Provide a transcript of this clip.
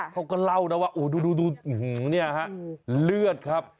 เขาก็เล่านะว่าโอ้ดูเนี่ยฮะเลือดครับ